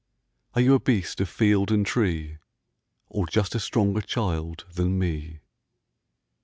Are you a beast of field and tree, Or just a stronger child than me?